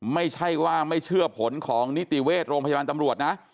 ไม่ใช่ว่าไม่เชื่อผลของนิติเวชโรงพยาบาลตำรวจนะ